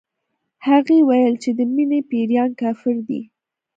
هغې ويل چې د مينې پيريان کافر دي